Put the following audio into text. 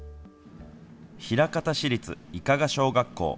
枚方市立伊加賀小学校。